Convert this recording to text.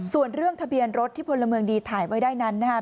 ส่วนเรื่องทะเบียนรถที่พลเมืองดีถ่ายไว้ได้นั้นนะครับ